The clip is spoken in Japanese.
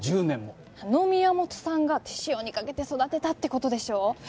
１０年もあの宮本さんが手塩にかけて育てたってことでしょ？